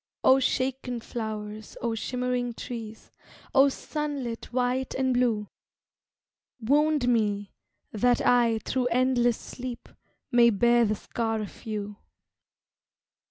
O shaken flowers, O shimmering trees, O sunlit white and blue, Wound me, that I, through endless sleep, May bear the scar of you.